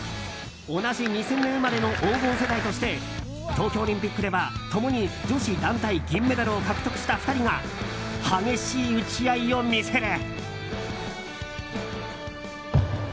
同じ２０００年生まれの黄金世代として東京オリンピックでは共に女子団体銀メダルを獲得した２人が激しい打ち合いを見せる。